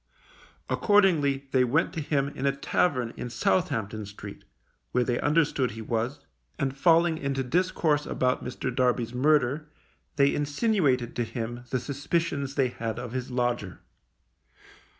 Accordingly they went to him in a tavern in Southampton Street, where they understood he was, and falling into discourse about Mr. Darby's murder, they insinuated to him the suspicions they had of his lodger.